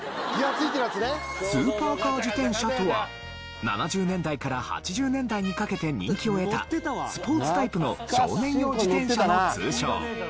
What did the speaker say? スーパーカー自転車とは７０年代から８０年代にかけて人気を得たスポーツタイプの少年用自転車の通称。